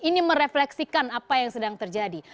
ini merefleksikan apa yang sedang terjadi